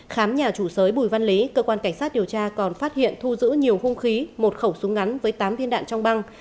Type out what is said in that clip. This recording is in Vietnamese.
khám nhà chủ sới bùi văn lý cơ quan cảnh sát điều tra còn phát hiện thu giữ nhiều hung khí một khẩu súng ngắn với tám viên đạn trong băng